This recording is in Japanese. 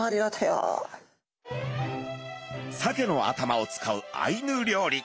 サケの頭を使うアイヌ料理。